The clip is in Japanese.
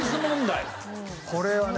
これはね